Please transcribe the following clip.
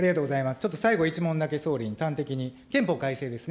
ちょっと最後、１問だけ総理に端的に、憲法改正ですね。